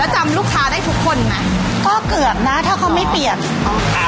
ต้องจำลูกค้าได้ทุกคนไหมก็เกือบนะถ้าเขาไม่เปรียบอ่า